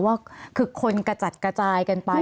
ว่าคือคนกระจัดกระจายกันไป